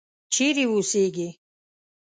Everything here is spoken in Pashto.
چیرې اوسیږې.